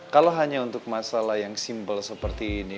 kalau hanya untuk masalah yang simple seperti ini